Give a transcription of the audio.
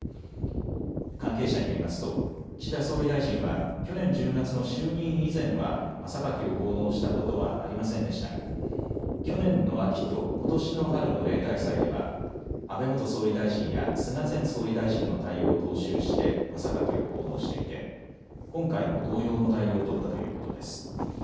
関係者によりますと岸田総理大臣は去年１０月の就任以前は真榊を奉納したことはありませんでしたが去年の秋とことしの春の例大祭では安倍元総理大臣や菅前総理大臣の対応を踏襲して真榊を奉納していて今回も同様の対応を取ったということです。